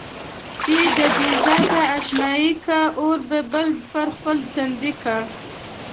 چې د بې ذاته اشنايي کا اور به بل پر خپل تندي کا.